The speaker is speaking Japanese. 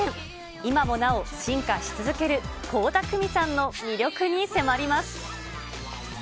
今もなお、進化し続ける倖田來未さんの魅力に迫ります。